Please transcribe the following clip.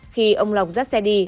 khi ông lộc dắt xe đi